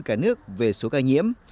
cả nước về số ca nhiễm